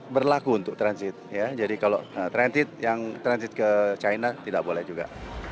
berlaku untuk transit jadi kalau transit yang transit ke china tidak boleh juga